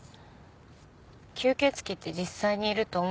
吸血鬼って実際にいると思う？